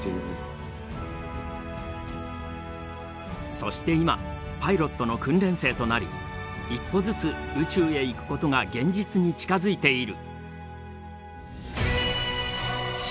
そして今パイロットの訓練生となり一歩ずつ宇宙へ行くことが現実に近づいている。